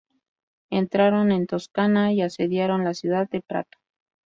Entraron en Toscana y asediaron la ciudad de Prato.